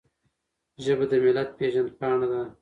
ژبه د ملت پیژند پاڼه ده.